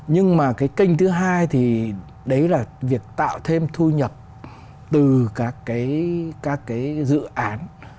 nhưng mà cái kênh thứ hai thì đấy là việc tạo thêm thu nhập từ các cái dự án